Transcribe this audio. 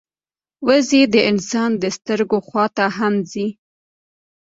وزې د انسان د سترګو خوا ته هم ځي